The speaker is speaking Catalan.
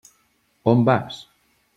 On vas?